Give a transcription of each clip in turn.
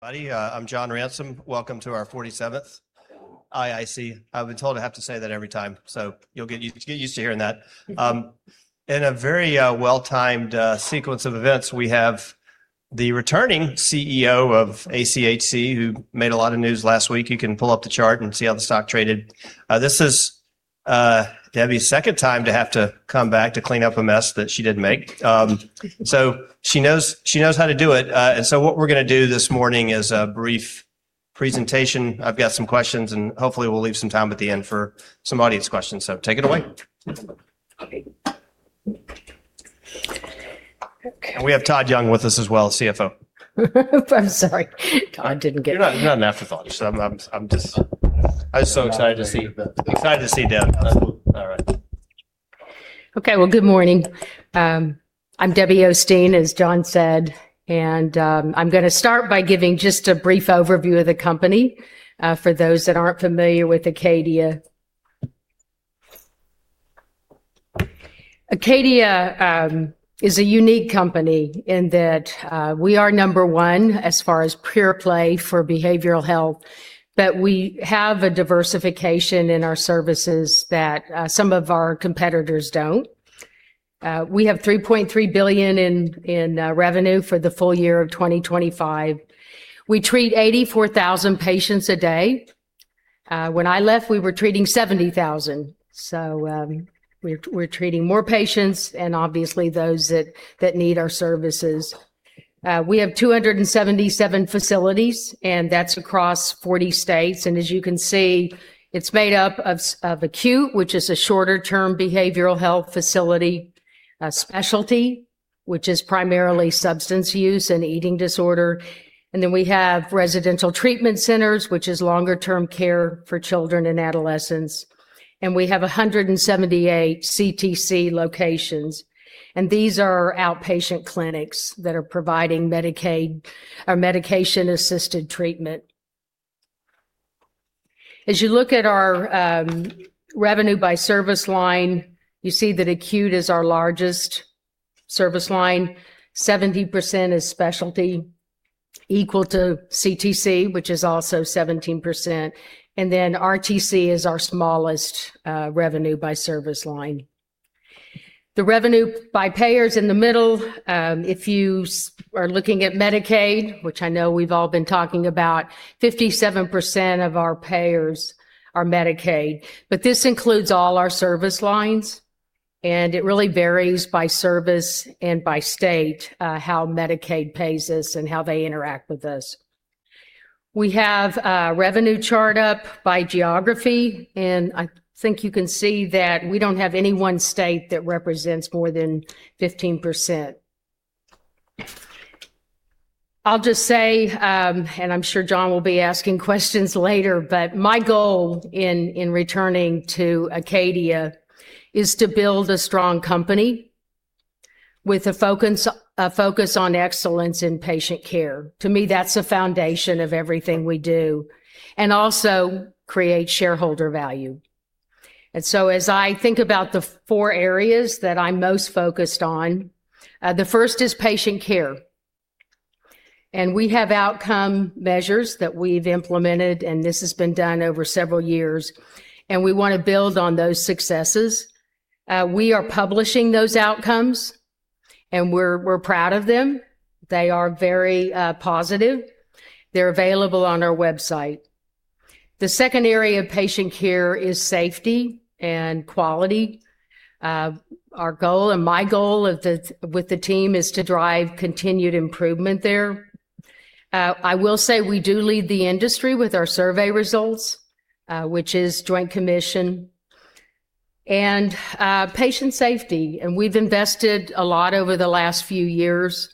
Buddy, I'm John Ransom. Welcome to our 47th IIC. I've been told I have to say that every time, so you'll get used to hearing that. In a very well-timed sequence of events, we have the returning CEO of ACHC, who made a lot of news last week. You can pull up the chart and see how the stock traded. This is Debbie's second time to have to come back to clean up a mess that she didn't make. She knows how to do it. What we're gonna do this morning is a brief presentation. I've got some questions, hopefully we'll leave some time at the end for some audience questions. Take it away. Okay. Okay. We have Todd Young with us as well, CFO. I'm sorry. Todd didn't get- You're not, you're not an afterthought. I was so excited to see you, but excited to see Deb. All right. Okay. Well, good morning. I'm Debbie Osteen, as John said, I'm going to start by giving just a brief overview of the company for those that aren't familiar with Acadia. Acadia is a unique company in that we are number one as far as pure play for behavioral health, we have a diversification in our services that some of our competitors don't. We have $3.3 billion in revenue for the full year of 2025. We treat 84,000 patients a day. When I left, we were treating 70,000. We're treating more patients and obviously those that need our services. We have 277 facilities, that's across 40 states. As you can see, it's made up of acute, which is a shorter-term behavioral health facility, specialty, which is primarily substance use and eating disorder. We have residential treatment centers, which is longer-term care for children and adolescents. We have 178 CTC locations. These are our outpatient clinics that are providing Medicaid or medication-assisted treatment. As you look at our revenue by service line, you see that acute is our largest service line. 70% is specialty, equal to CTC, which is also 17%. RTC is our smallest revenue by service line. The revenue by payers in the middle, if you are looking at Medicaid, which I know we've all been talking about, 57% of our payers are Medicaid. This includes all our service lines, and it really varies by service and by state, how Medicaid pays us and how they interact with us. We have a revenue chart up by geography, and I think you can see that we don't have any one state that represents more than 15%. I'll just say, and I'm sure John will be asking questions later, but my goal in returning to Acadia is to build a strong company with a focus on excellence in patient care. To me, that's the foundation of everything we do, and also create shareholder value. As I think about the four areas that I'm most focused on, the first is patient care. We have outcome measures that we've implemented, and this has been done over several years, and we wanna build on those successes. We are publishing those outcomes, and we're proud of them. They are very positive. They're available on our website. The second area of patient care is safety and quality. Our goal and my goal with the team is to drive continued improvement there. I will say we do lead the industry with our survey results, which is Joint Commission. Patient safety, and we've invested a lot over the last few years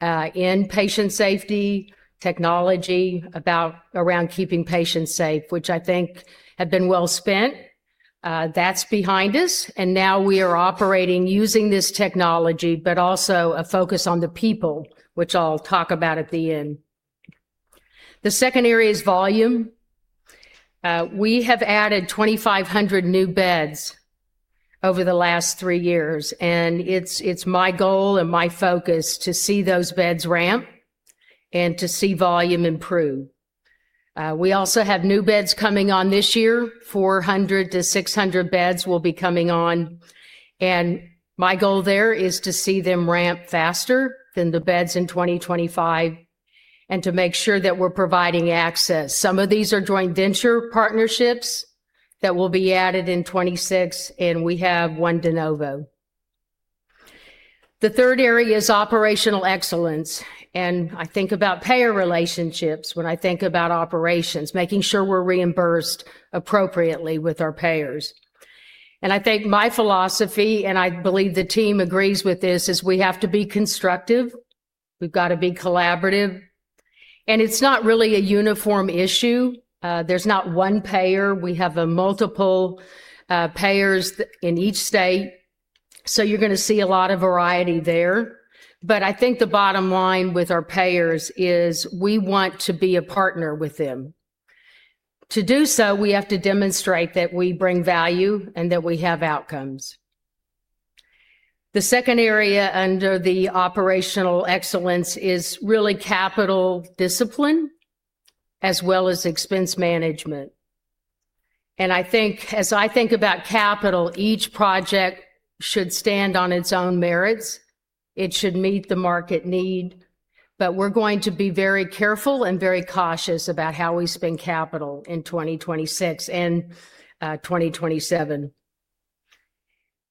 in patient safety, technology around keeping patients safe, which I think have been well spent. That's behind us, and now we are operating using this technology, but also a focus on the people, which I'll talk about at the end. The second area is volume. We have added 2,500 new beds over the last 3 years, and it's my goal and my focus to see those beds ramp and to see volume improve. We also have new beds coming on this year. 400-600 beds will be coming on, and my goal there is to see them ramp faster than the beds in 2025 and to make sure that we're providing access. Some of these are joint venture partnerships that will be added in 2026, and we have one de novo. The third area is operational excellence, and I think about payer relationships when I think about operations, making sure we're reimbursed appropriately with our payers. I think my philosophy, and I believe the team agrees with this, is we have to be constructive, we've gotta be collaborative. It's not really a uniform issue. There's not one payer. We have a multiple payers in each state, so you're gonna see a lot of variety there. I think the bottom line with our payers is we want to be a partner with them. To do so, we have to demonstrate that we bring value and that we have outcomes. The second area under the operational excellence is really capital discipline as well as expense management. I think as I think about capital, each project should stand on its own merits. It should meet the market need, but we're going to be very careful and very cautious about how we spend capital in 2026 and 2027.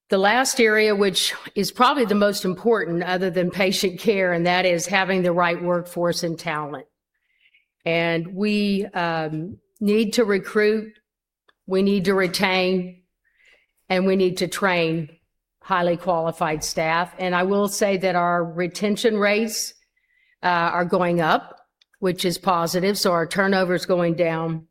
The last area, which is probably the most important other than patient care, and that is having the right workforce and talent. We need to recruit, we need to retain, and we need to train highly qualified staff. I will say that our retention rates are going up, which is positive, so our turnover is going down.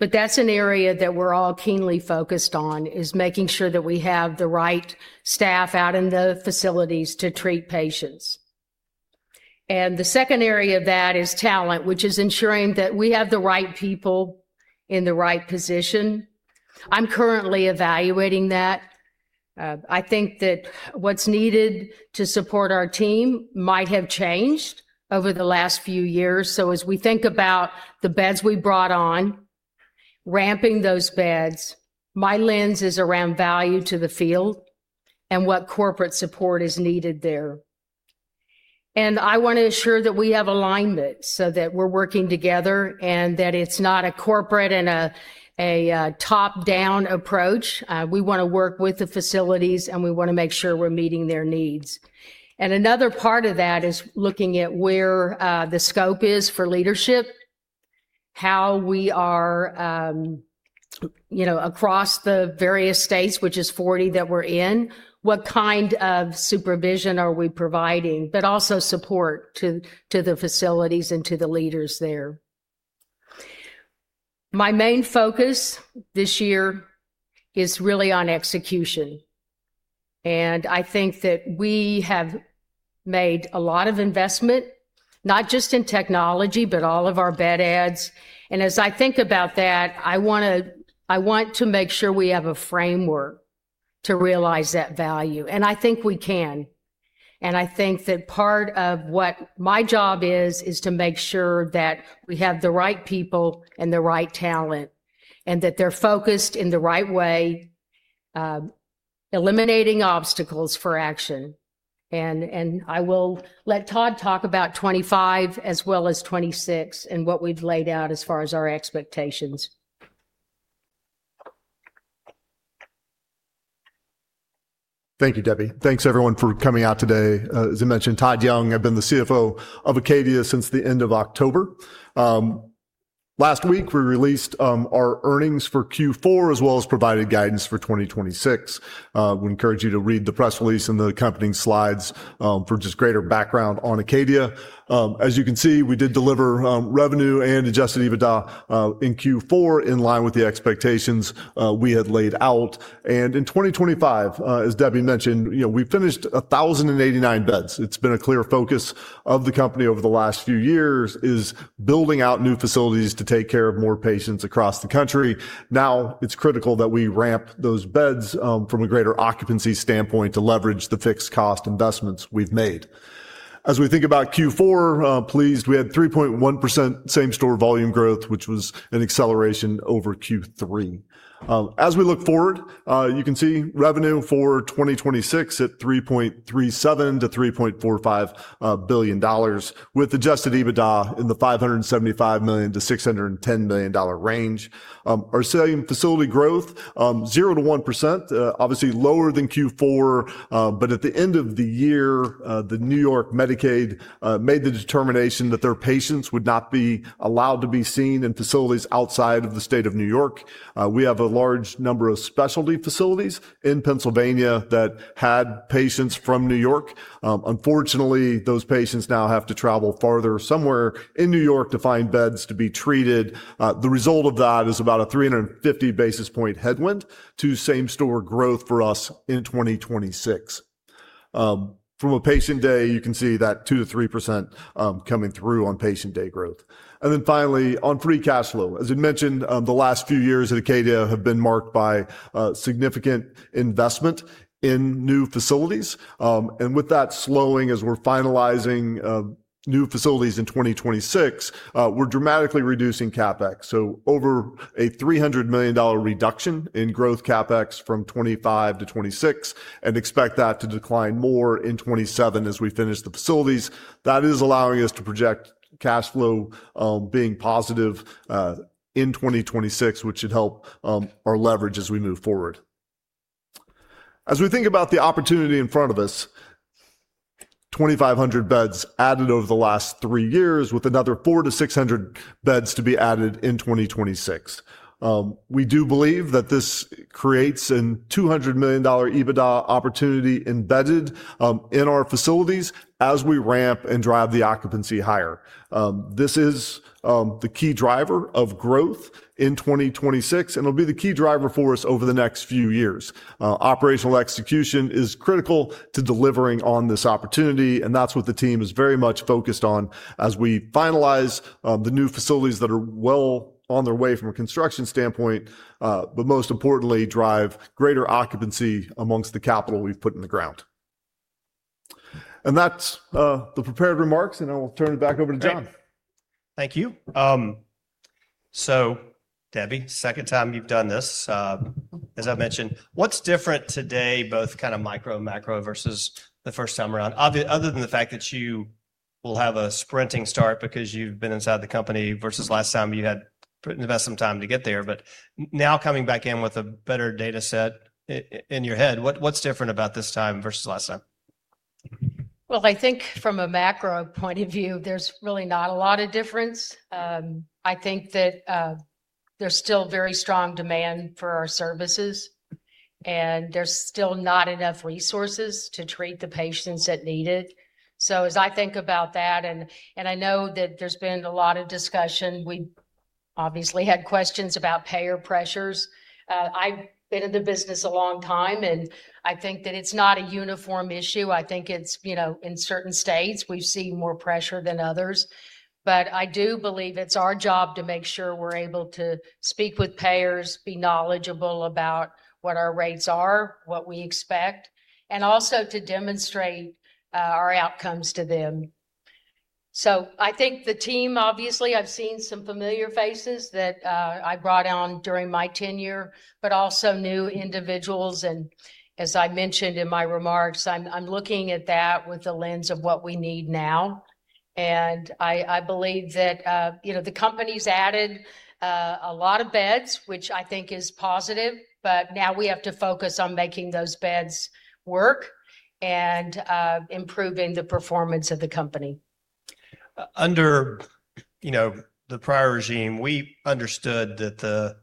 That's an area that we're all keenly focused on, is making sure that we have the right staff out in the facilities to treat patients. The second area of that is talent, which is ensuring that we have the right people in the right position. I'm currently evaluating that. I think that what's needed to support our team might have changed over the last few years. As we think about the beds we brought on, ramping those beds, my lens is around value to the field and what corporate support is needed there. I want to ensure that we have alignment so that we're working together and that it's not a corporate and a top-down approach. We want to work with the facilities, and we want to make sure we're meeting their needs. Another part of that is looking at where the scope is for leadership, how we are, you know, across the various states, which is 40 that we're in, what kind of supervision are we providing, but also support to the facilities and to the leaders there. My main focus this year is really on execution. I think that we have made a lot of investment, not just in technology, but all of our bed adds. As I think about that, I want to make sure we have a framework to realize that value, and I think we can. I think that part of what my job is to make sure that we have the right people and the right talent, and that they're focused in the right way, eliminating obstacles for action. I will let Todd talk about 25 as well as 26 and what we've laid out as far as our expectations. Thank you, Debbie. Thanks everyone for coming out today. As I mentioned, Todd Young, I've been the CFO of Acadia since the end of October. Last week, we released our earnings for Q4, as well as provided guidance for 2026. We encourage you to read the press release and the accompanying slides for just greater background on Acadia. As you can see, we did deliver revenue and adjusted EBITDA in Q4 in line with the expectations we had laid out. In 2025, as Debbie mentioned, you know, we finished 1,089 beds. It's been a clear focus of the company over the last few years is building out new facilities to take care of more patients across the country. Now, it's critical that we ramp those beds, from a greater occupancy standpoint to leverage the fixed cost investments we've made. As we think about Q4, pleased, we had 3.1% same-store volume growth, which was an acceleration over Q3. As we look forward, you can see revenue for 2026 at $3.37 billion-$3.45 billion, with adjusted EBITDA in the $575 million-$610 million range. Our same-facility growth, 0%-1%, obviously lower than Q4. At the end of the year, the New York Medicaid made the determination that their patients would not be allowed to be seen in facilities outside of the state of New York. We have a large number of specialty facilities in Pennsylvania that had patients from New York. Unfortunately, those patients now have to travel farther, somewhere in New York to find beds to be treated. The result of that is about a 350 basis point headwind to same-store growth for us in 2026. From a patient day, you can see that 2%-3% coming through on patient day growth. Finally, on free cash flow. As we mentioned, the last few years at Acadia have been marked by significant investment in new facilities. With that slowing as we're finalizing new facilities in 2026, we're dramatically reducing CapEx. Over a $300 million reduction in growth CapEx from 2025-2026, and expect that to decline more in 2027 as we finish the facilities. That is allowing us to project cash flow, being positive in 2026, which should help our leverage as we move forward. We think about the opportunity in front of us, 2,500 beds added over the last 3 years, with another 400-600 beds to be added in 2026. We do believe that this creates an $200 million EBITDA opportunity embedded in our facilities as we ramp and drive the occupancy higher. This is the key driver of growth in 2026, and it'll be the key driver for us over the next few years. Operational execution is critical to delivering on this opportunity. That's what the team is very much focused on as we finalize the new facilities that are well on their way from a construction standpoint, but most importantly, drive greater occupancy amongst the capital we've put in the ground. That's the prepared remarks. I will turn it back over to John. Great. Thank you. Debbie, second time you've done this, as I've mentioned. What's different today, both kinda micro and macro, versus the first time around? other than the fact that you will have a sprinting start because you've been inside the company, versus last time you had invested some time to get there. Now coming back in with a better data set in your head, what's different about this time versus last time? I think from a macro point of view, there's really not a lot of difference. I think that there's still very strong demand for our services, and there's still not enough resources to treat the patients that need it. As I think about that, and I know that there's been a lot of discussion, we obviously had questions about payer pressures. I've been in the business a long time, and I think that it's not a uniform issue. I think it's, you know, in certain states we've seen more pressure than others. I do believe it's our job to make sure we're able to speak with payers, be knowledgeable about what our rates are, what we expect, and also to demonstrate our outcomes to them. I think the team, obviously I've seen some familiar faces that I brought on during my tenure, but also new individuals. As I mentioned in my remarks, I'm looking at that with the lens of what we need now. I believe that, you know, the company's added a lot of beds, which I think is positive, but now we have to focus on making those beds work and improving the performance of the company. Under, you know, the prior regime, we understood that the,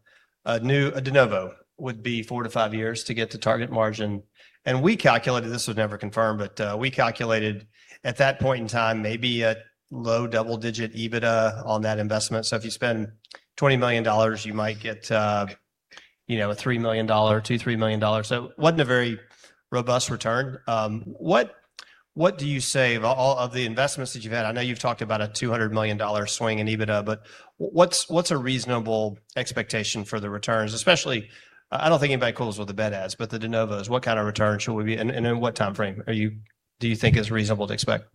a new, a de novo would be four to five years to get to target margin, and we calculated, this was never confirmed, but we calculated at that point in time maybe a low double-digit EBITDA on that investment. If you spend $20 million, you might get, you know, a $3 million, $2 million, $3 million. It wasn't a very robust return. What do you say of all of the investments that you've had? I know you've talked about a $200 million swing in EBITDA, what's a reasonable expectation for the returns? Especially, I don't think anybody cools with the bed additions, but the de novos, what kind of return and in what time frame do you think is reasonable to expect?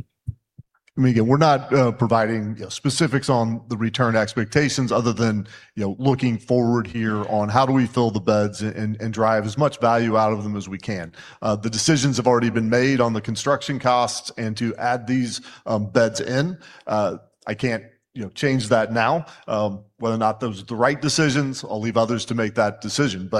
I mean, again, we're not providing, you know, specifics on the return expectations other than, you know, looking forward here on how do we fill the beds and drive as much value out of them as we can. The decisions have already been made on the construction costs and to add these beds in. I can't, you know, change that now. Whether or not those are the right decisions, I'll leave others to make that decision.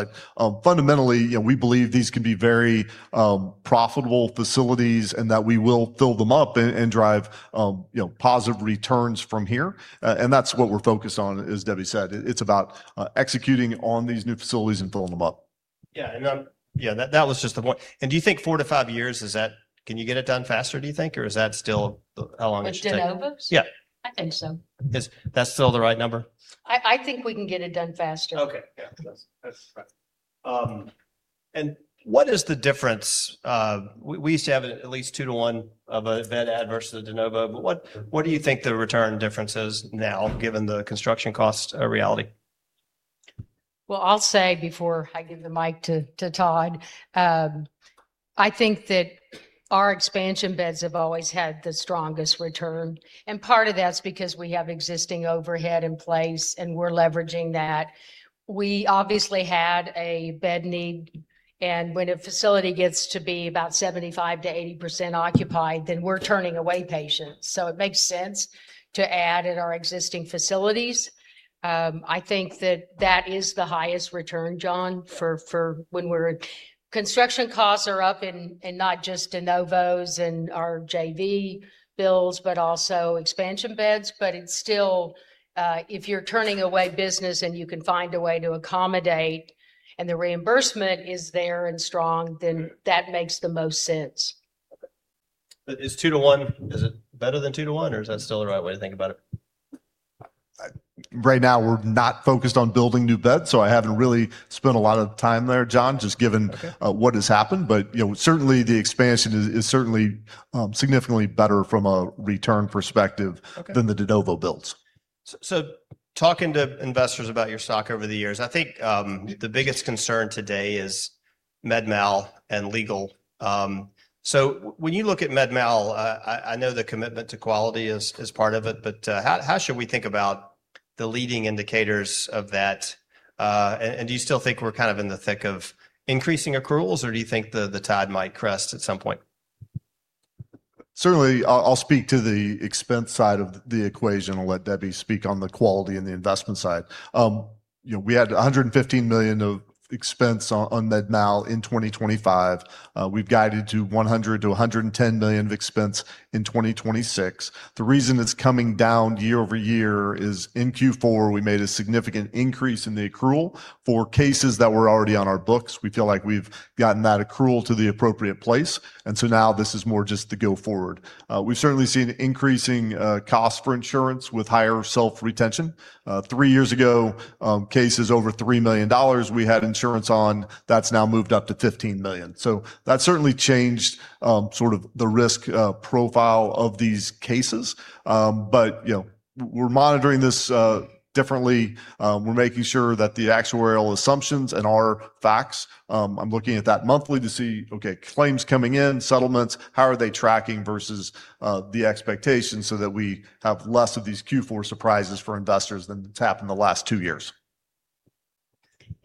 Fundamentally, you know, we believe these can be very profitable facilities and that we will fill them up and drive, you know, positive returns from here. And that's what we're focused on, as Debbie said. It's about executing on these new facilities and filling them up. Yeah. And, yeah, that was just the point. Do you think 4-5 years, is that... Can you get it done faster, do you think, or is that still how long it should take? The de novos? Yeah. I think so. Is that still the right number? I think we can get it done faster. Okay. Yeah. That's right. What is the difference? We used to have it at least 2 to 1 of a bed additions to the de novo, but what do you think the return difference is now, given the construction cost a reality? I'll say before I give the mic to Todd, I think that our expansion beds have always had the strongest return, and part of that's because we have existing overhead in place, and we're leveraging that. We obviously had a bed need, and when a facility gets to be about 75% to 80% occupied, then we're turning away patients. It makes sense to add at our existing facilities. I think that that is the highest return, John. Construction costs are up in not just de novos and our JV builds, but also expansion beds. It's still, if you're turning away business and you can find a way to accommodate, and the reimbursement is there and strong, then that makes the most sense. Okay. Is it better than 2 to 1, or is that still the right way to think about it? Right now, we're not focused on building new beds, so I haven't really spent a lot of time there, John. Okay... what has happened. you know, certainly the expansion is certainly significantly better from a return perspective. Okay... than the de novo builds. Talking to investors about your stock over the years, I think, the biggest concern today is med mal and legal. When you look at med mal, I know the commitment to quality is part of it, but how should we think about the leading indicators of that? Do you still think we're kind of in the thick of increasing accruals, or do you think the tide might crest at some point? Certainly, I'll speak to the expense side of the equation. I'll let Debbie speak on the quality and the investment side. You know, we had $115 million of expense on med mal in 2025. We've guided to $100 million-$110 million of expense in 2026. The reason it's coming down year-over-year is in Q4, we made a significant increase in the accrual for cases that were already on our books. We feel like we've gotten that accrual to the appropriate place. Now this is more just to go forward. We've certainly seen increasing costs for insurance with higher self-retention. 3 years ago, cases over $3 million we had insurance on, that's now moved up to $15 million. That certainly changed, sort of the risk profile of these cases. You know, we're monitoring this differently. We're making sure that the actuarial assumptions and our facts, I'm looking at that monthly to see, okay, claims coming in, settlements, how are they tracking versus the expectations so that we have less of these Q4 surprises for investors than that's happened the last two years.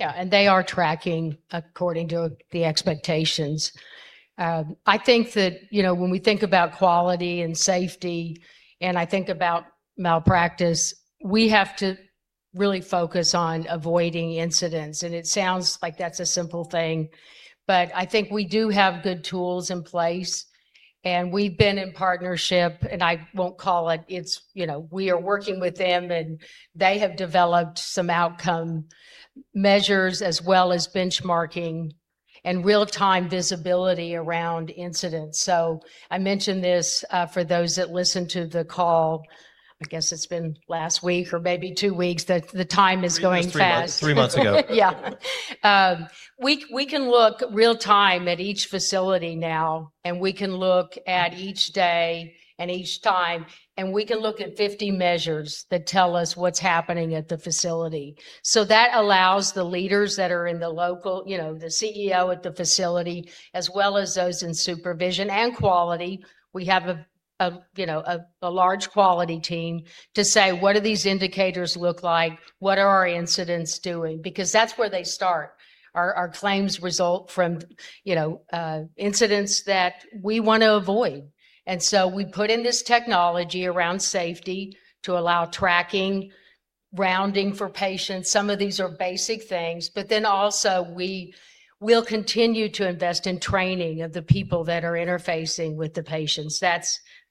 Yeah, they are tracking according to the expectations. I think that, you know, when we think about quality and safety, and I think about malpractice, we have to really focus on avoiding incidents. It sounds like that's a simple thing, but I think we do have good tools in place, and we've been in partnership, and I won't call it. It's, you know, we are working with them, and they have developed some outcome measures as well as benchmarking and real-time visibility around incidents. I mention this for those that listen to the call, I guess it's been last week or maybe two weeks, that the time is going fast. Three, it was three months ago. We can look real time at each facility now, and we can look at each day and each time, and we can look at 50 measures that tell us what's happening at the facility. That allows the leaders that are in the local, you know, the CEO at the facility as well as those in supervision and quality, we have a, you know, a large quality team to say, "What do these indicators look like? What are our incidents doing?" Because that's where they start. Our claims result from, you know, incidents that we want to avoid. We put in this technology around safety to allow tracking, rounding for patients. Some of these are basic things. We will continue to invest in training of the people that are interfacing with the patients.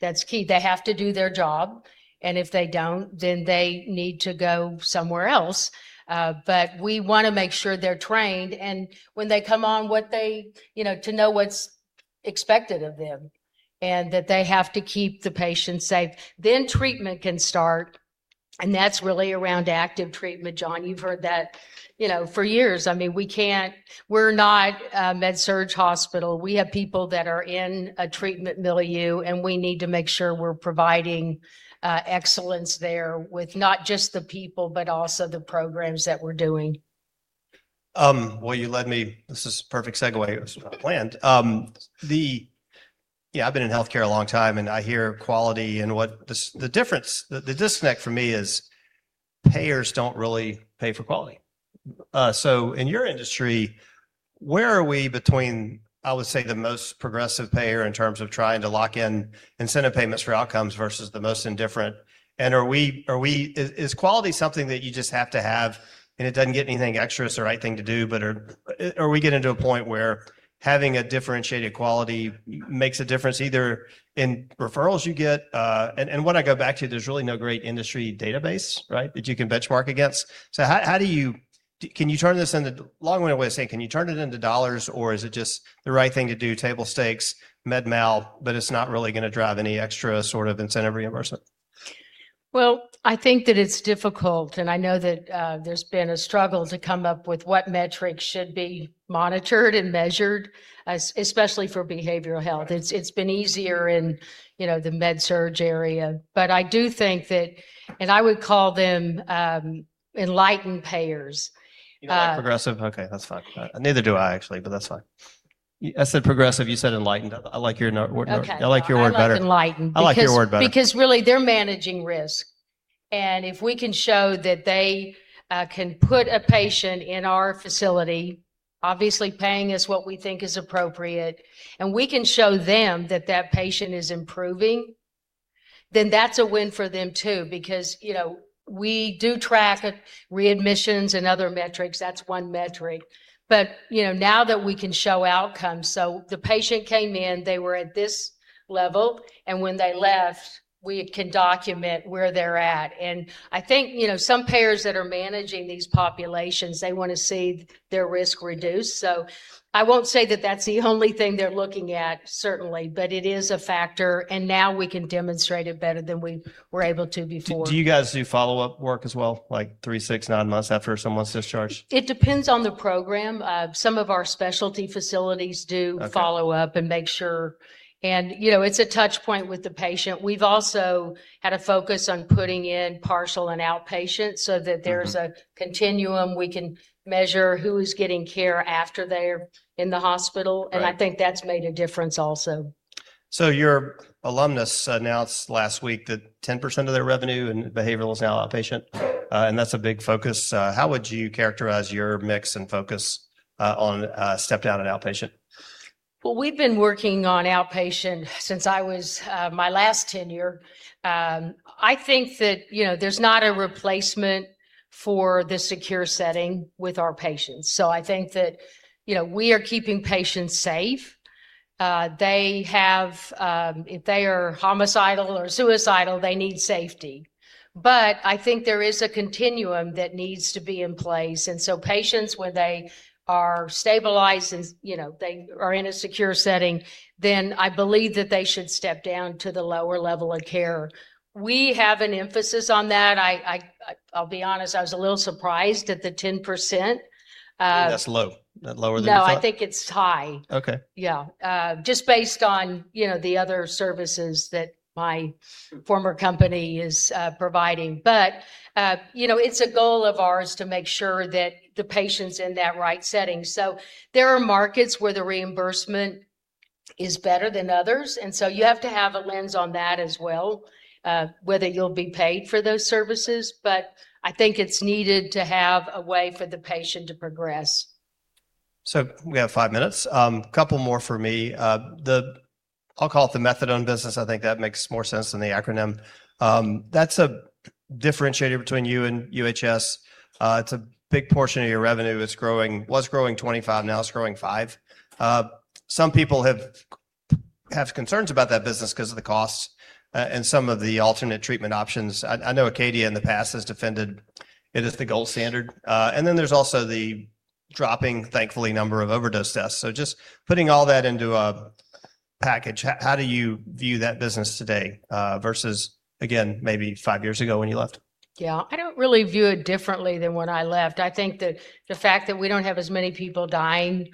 That's key. They have to do their job, and if they don't, then they need to go somewhere else. We wanna make sure they're trained, and when they come on, what they, you know, to know what's expected of them, and that they have to keep the patient safe. Treatment can start, and that's really around active treatment, John. You've heard that, you know, for years. I mean, we can't. We're not a med-surg hospital. We have people that are in a treatment milieu, and we need to make sure we're providing excellence there with not just the people, but also the programs that we're doing. Well, you led me. This is a perfect segue that was not planned. Yeah, I've been in healthcare a long time, and I hear quality and The difference, the disconnect for me is payers don't really pay for quality. In your industry, where are we between, I would say, the most progressive payer in terms of trying to lock in incentive payments for outcomes versus the most indifferent? Is quality something that you just have to have, and it doesn't get anything extra? It's the right thing to do, are we getting to a point where having a differentiated quality makes a difference either in referrals you get? What I go back to, there's really no great industry database, right, that you can benchmark against. Long-winded way of saying, can you turn it into dollars, or is it just the right thing to do, table stakes, med mal, but it's not really gonna drive any extra sort of incentive reimbursement? Well, I think that it's difficult, and I know that there's been a struggle to come up with what metrics should be monitored and measured, especially for behavioral health. It's been easier in, you know, the med-surg area. I do think that, and I would call them, enlightened payers, You don't like progressive? Okay, that's fine. Neither do I, actually, but that's fine. I said progressive, you said enlightened. I like your nar-word narration. Okay. I like your word better. I like enlightened. I like your word better. Because really they're managing risk, and if we can show that they can put a patient in our facility, obviously paying us what we think is appropriate, and we can show them that that patient is improving, then that's a win for them too because, you know, we do track readmissions and other metrics. That's one metric. You know, now that we can show outcomes, so the patient came in, they were at this level, and when they left, we can document where they're at. I think, you know, some payers that are managing these populations, they wanna see their risk reduced. I won't say that that's the only thing they're looking at, certainly, but it is a factor, and now we can demonstrate it better than we were able to before. Do you guys do follow-up work as well, like three, six, nine months after someone's discharged? It depends on the program. Some of our specialty facilities. Okay follow up and make sure. You know, it's a touch point with the patient. We've also had a focus on putting in partial and outpatient. Mm-hmm... a continuum we can measure who's getting care after they're in the hospital. Right. I think that's made a difference also. Your alumnus announced last week that 10% of their revenue in behavioral is now outpatient, and that's a big focus. How would you characterize your mix and focus on step down and outpatient? Well, we've been working on outpatient since I was my last tenure. I think that, you know, there's not a replacement for the secure setting with our patients, so I think that, you know, we are keeping patients safe. They have, if they are homicidal or suicidal, they need safety. I think there is a continuum that needs to be in place. Patients, when they are stabilized and, you know, they are in a secure setting, then I believe that they should step down to the lower level of care. We have an emphasis on that. I'll be honest, I was a little surprised at the 10%. You think that's low? Lower than you thought? No, I think it's high. Okay. Yeah. Just based on, you know, the other services that my former company is providing. You know, it's a goal of ours to make sure that the patient's in that right setting. There are markets where the reimbursement is better than others. You have to have a lens on that as well, whether you'll be paid for those services. I think it's needed to have a way for the patient to progress. We have 5 minutes. Couple more for me. I'll call it the methadone business. I think that makes more sense than the acronym. That's a differentiator between you and UHS. It's a big portion of your revenue. Was growing 25, now it's growing 5. Some people have concerns about that business because of the costs and some of the alternate treatment options. I know Acadia in the past has defended it as the gold standard. And then there's also the dropping, thankfully, number of overdose deaths. Just putting all that into a package, how do you view that business today versus, again, maybe 5 years ago when you left? Yeah. I don't really view it differently than when I left. I think the fact that we don't have as many people dying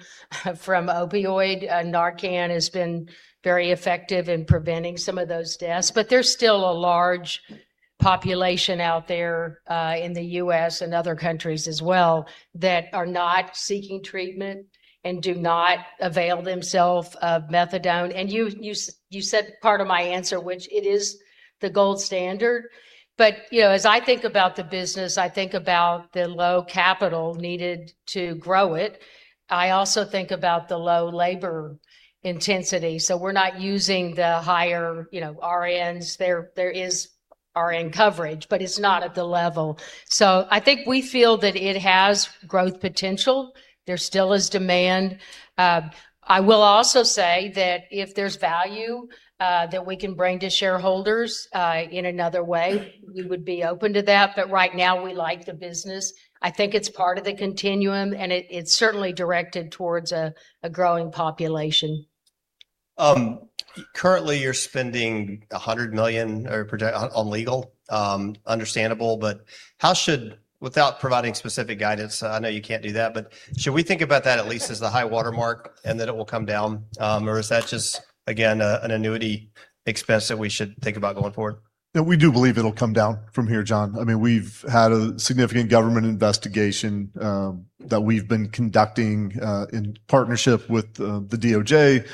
from opioid, NARCAN has been very effective in preventing some of those deaths, but there's still a large population out there in the U.S. and other countries as well that are not seeking treatment and do not avail themselves of methadone. You said part of my answer, which it is the gold standard. You know, as I think about the business, I think about the low capital needed to grow it. I also think about the low labor intensity. We're not using the higher, you know, RNs. There is RN coverage, but it's not at the level. I think we feel that it has growth potential. There still is demand. I will also say that if there's value that we can bring to shareholders in another way, we would be open to that. Right now, we like the business. I think it's part of the continuum, and it's certainly directed towards a growing population. Currently you're spending $100 million or project on legal, understandable. Without providing specific guidance, I know you can't do that, but should we think about that at least as the high watermark, and then it will come down? Is that just again, an annuity expense that we should think about going forward? We do believe it'll come down from here, John. I mean, we've had a significant government investigation, that we've been conducting, in partnership with, the DOJ.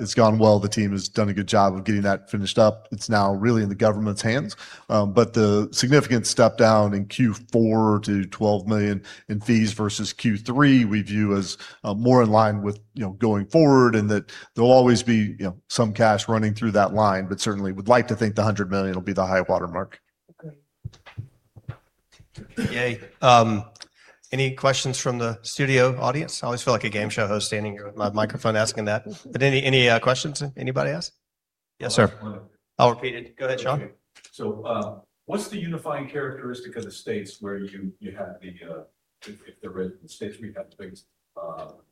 It's gone well. The team has done a good job of getting that finished up. It's now really in the government's hands. The significant step down in Q4 to $12 million in fees versus Q3, we view as, more in line with, you know, going forward, and that there'll always be, you know, some cash running through that line, but certainly would like to think the $100 million will be the high watermark. Agreed. Yay. Any questions from the studio audience? I always feel like a game show host standing here with my microphone asking that. Any questions anybody has? Yes, sir. I'll ask one. I'll repeat it. Go ahead, Sean. Okay. what's the unifying characteristic of the states where you have states where you have big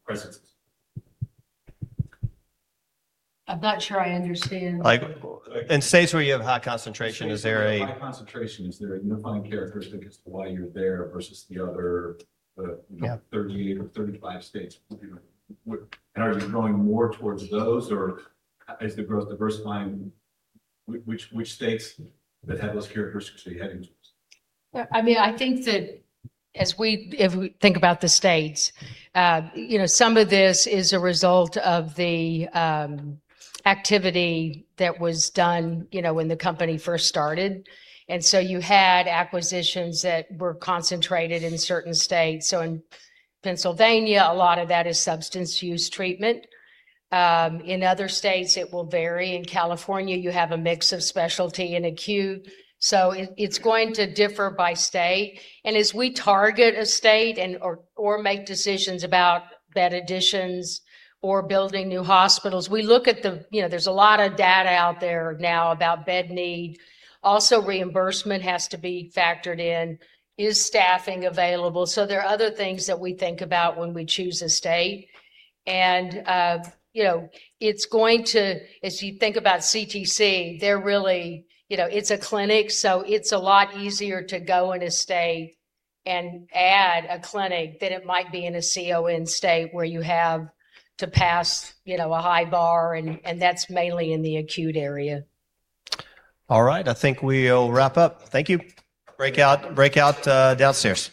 presences? I'm not sure I understand. Like, in states where you have high concentration, is there? States where you have high concentration, is there a unifying characteristic as to why you're there versus the other? Yeah... 38 or 35 states? You know, are you going more towards those, or is the growth diversifying which states that have those characteristics are you heading towards? Yeah. I mean, I think that if we think about the states, you know, some of this is a result of the activity that was done, you know, when the company first started. You had acquisitions that were concentrated in certain states. In Pennsylvania, a lot of that is substance use treatment. In other states, it will vary. In California, you have a mix of specialty and acute. It's going to differ by state. As we target a state or make decisions about bed additions or building new hospitals, we look at the. You know, there's a lot of data out there now about bed need. Also, reimbursement has to be factored in. Is staffing available? There are other things that we think about when we choose a state. You know, it's going to. If you think about CTC, they're really... You know, it's a clinic, so it's a lot easier to go in a state and add a clinic than it might be in a CON state where you have to pass, you know, a high bar, and that's mainly in the acute area. All right. I think we'll wrap up. Thank you. Break out, downstairs.